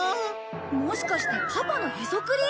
もしかしてパパのへそくり？